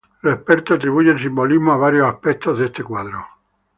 Los expertos atribuyen simbolismo a varios aspectos de este cuadro.